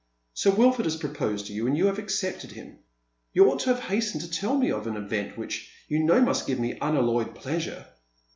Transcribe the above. Sir Wilford has proposed to you, and you have accepted Mm ? You ought to have hastened to tell me of an event which you know must give me unalloyed pleasure."